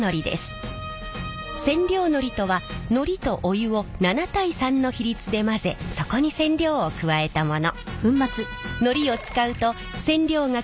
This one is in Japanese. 染料のりとはのりとお湯を７対３の比率で混ぜそこに染料を加えたもの。